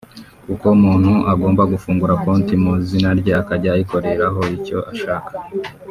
kuko umuntu agomba gufunguza konti mu izina rye akajya ayikoreraho icyo ashaka